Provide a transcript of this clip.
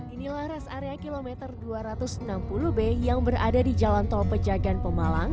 inilah res area kilometer dua ratus enam puluh b yang berada di jalan tol pejagaan pemalang